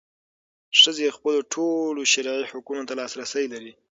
ښځې خپلو ټولو شرعي حقونو ته لاسرسی لري.